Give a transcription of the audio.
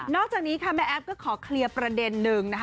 อกจากนี้ค่ะแม่แอฟก็ขอเคลียร์ประเด็นนึงนะคะ